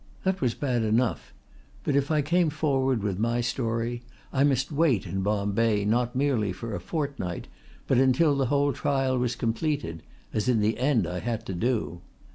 That was bad enough, but if I came forward with my story I must wait in Bombay not merely for a fortnight but until the whole trial was completed, as in the end I had to do.